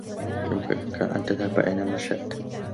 يمكنك أن تذهب أينما شئت.